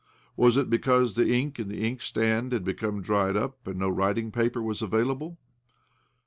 Was it because the ink in the inkstand had become dried up and no writing paper was available